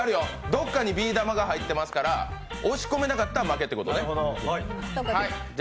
どこかにビー玉が入ってますから押し込めなかったら負けってことね。